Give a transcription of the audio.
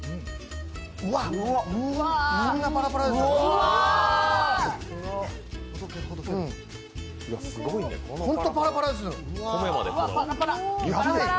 うわ、こんなパラパラです。